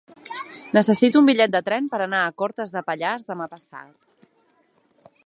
Necessito un bitllet de tren per anar a Cortes de Pallars demà passat.